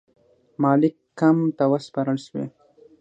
مالکم ته وسپارل سوې.